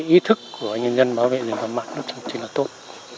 ý thức của nhân dân bảo vệ rừng cặp mặt rất là tốt